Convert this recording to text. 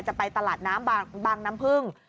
จะไปตลาดน้ำบางน้ำพึ่ง